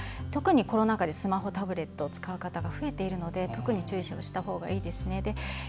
特にコロナ禍でスマホ、タブレットを使う方が増えているので特に注意したほうがいいですね。